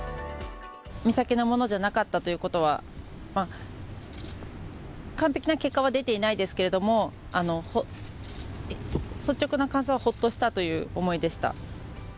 美咲のものじゃなかったということは、完璧な結果は出ていないですけれども、率直な感想は、ホッとしたという思いでした。